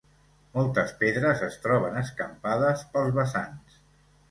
Moltes pedres es troben escampades pels vessants.